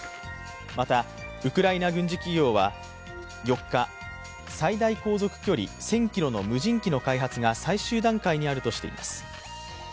また、ウクライナ軍事企業は４日最大航続距離１０００ｋｍの無人機の開発が最終段階にあるとしています。